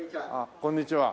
こんにちは。